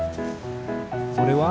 それは？